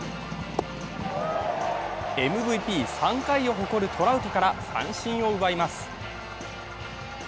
ＭＶＰ３回を誇るトラウトから三振を奪います。